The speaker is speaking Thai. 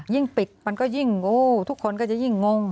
ปิดมันก็ยิ่งโอ้ทุกคนก็จะยิ่งงง